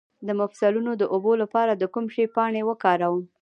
د مفصلونو د اوبو لپاره د کوم شي پاڼې وکاروم؟